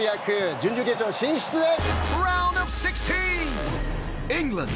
準々決勝進出です。